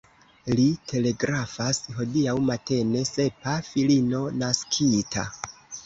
Li telegrafas: « Hodiaŭ matene sepa filino naskita ».